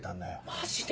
マジで？